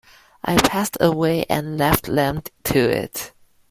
I passed away and left them to it.